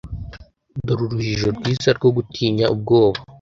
Dore Urujijo rwiza rwo gutinya ubwoba